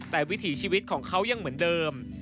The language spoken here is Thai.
แต่วิถีชีวิตของเขายังเหมือนเดิม